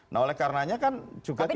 nah oleh karenanya kan juga kita